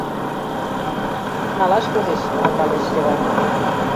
— Налаш возеш, — малдалеш Йыван.